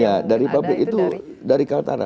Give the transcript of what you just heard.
iya dari pabrik itu dari kaltara